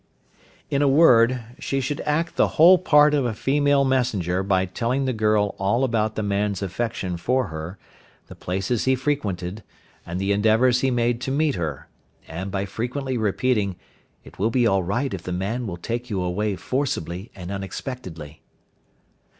In a word, she should act the whole part of a female messenger by telling the girl all about the man's affection for her, the places he frequented, and the endeavours he made to meet her, and by frequently repeating, "It will be all right if the man will take you away forcibly and unexpectedly."